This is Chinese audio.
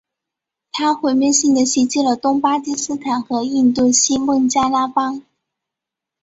它毁灭性地袭击了东巴基斯坦和印度西孟加拉邦。